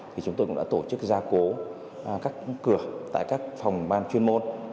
thì chúng tôi cũng đã tổ chức gia cố các cửa tại các phòng ban chuyên môn